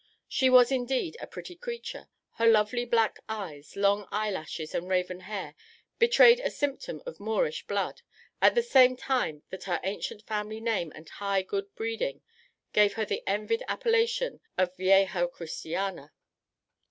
She was indeed a pretty creature: her lovely black eyes, long eyelashes, and raven hair, betrayed a symptom of Moorish blood, at the same time that her ancient family name and high good breeding gave her the envied appellation of Vieja Christiana.